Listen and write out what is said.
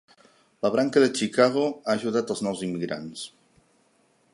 La branca de Chicago ha ajudat als nous immigrants.